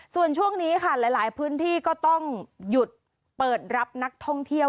ส่วนช่วงนี้ค่ะหลายพื้นที่ก็ต้องหยุดเปิดรับนักท่องเที่ยว